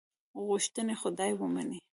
غوښتنې خدای ومني.